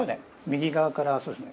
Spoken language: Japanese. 右側からそうですね。